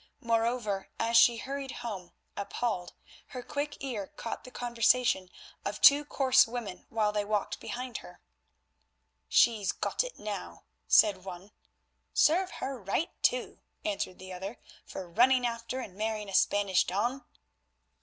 Moreover, as she hurried home appalled, her quick ear caught the conversation of two coarse women while they walked behind her. "She's got it now," said one. "Serve her right, too," answered the other, "for running after and marrying a Spanish don."